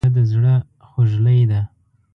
پیاله د زړه خوږلۍ ده.